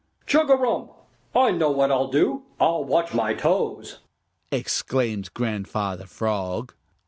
"Chugarum! I know what I'll do; I'll watch my toes!" exclaimed Grandfather Frog.